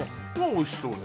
おいしそうね